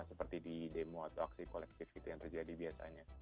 seperti di demo atau aksi kolektif gitu yang terjadi biasanya